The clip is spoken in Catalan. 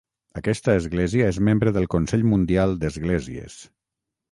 Aquesta església és membre del Consell Mundial d'Esglésies.